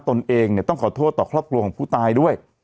ตนเองเนี่ยต้องขอโทษต่อครอบครัวของผู้ตายด้วย